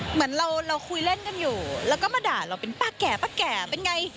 เหมือนเราเราคุยเล่นกันอยู่แล้วก็มาด่าเราเป็นป้าแก่ป้าแก่เป็นไง